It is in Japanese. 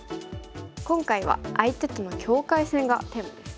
今回は相手との境界線がテーマですね。